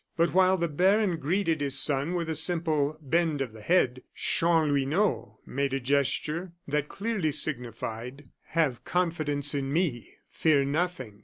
But while the baron greeted his son with a simple bend of the head, Chanlouineau made a gesture that clearly signified: "Have confidence in me fear nothing."